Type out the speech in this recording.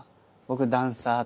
僕ダンサーとか。